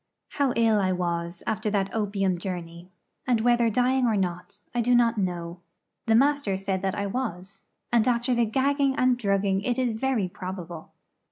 How ill I was after that opium journey, and whether dying or not, I do not know. The master said that I was, and after the gagging and drugging it is very probable.